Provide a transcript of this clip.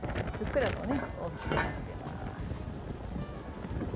ふっくらと大きくなっています。